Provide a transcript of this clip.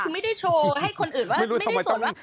คือไม่ได้โชว์ให้คนอื่นว่าไม่ได้สนว่า